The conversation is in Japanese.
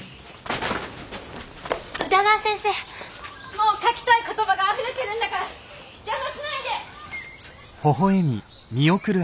もう書きたい言葉があふれてるんだから邪魔しないで！